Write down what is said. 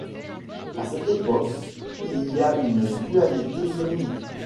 À cette époque il y a une dualité juridique.